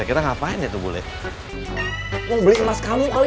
kita ngapain ya tuh boleh membeli emas kamu kali